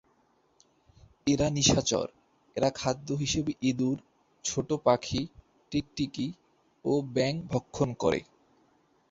এরা নিশাচর, এরা খাদ্য হিসেবে ইঁদুর, ছোট পাখি, টিকটিকি ও ব্যাঙ ভক্ষণ করে।